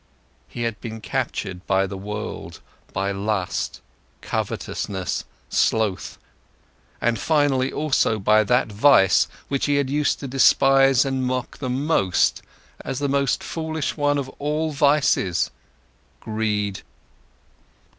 He had been captured by the world, by lust, covetousness, sloth, and finally also by that vice which he had used to despise and mock the most as the most foolish one of all vices: greed.